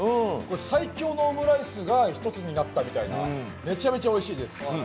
最強のオムライスが１つになったみたいなめちゃめちゃおいしいです。